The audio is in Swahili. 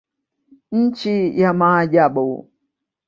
Nchi ya maajabu.